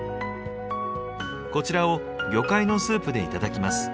こちらを魚介のスープで頂きます。